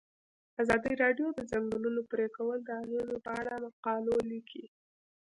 ازادي راډیو د د ځنګلونو پرېکول د اغیزو په اړه مقالو لیکلي.